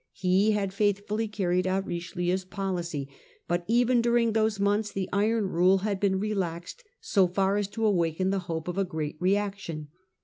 He had faith fully carried out Richelieu's policy ; but even during those months the iron rule had been relaxed so far as to awaken the hope of a great reaction.